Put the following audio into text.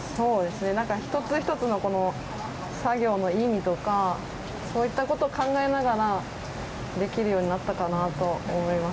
一つ一つの作業の意味とかそういったことを考えながらできるようになったかなと思います。